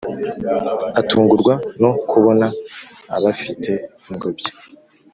atungurwa no kubona abafite ingobyi